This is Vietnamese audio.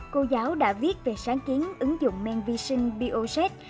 cô giáo đã viết về sáng kiến ứng dụng men vi sinh boset